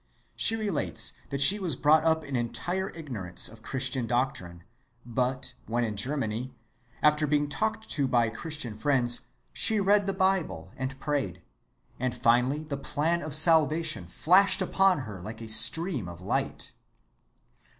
She relates that she was brought up in entire ignorance of Christian doctrine, but, when in Germany, after being talked to by Christian friends, she read the Bible and prayed, and finally the plan of salvation flashed upon her like a stream of light.